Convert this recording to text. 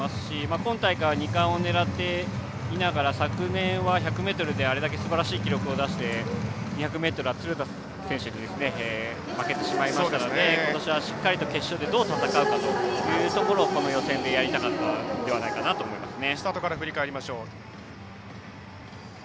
今大会は２冠を狙っていながら昨年は１００ｍであれだけすばらしい記録を出して２００ｍは鶴田選手に負けてしまいましたからことしは決勝でどう戦うかというところをこの予選でやりたかったのではないかなと思いますね。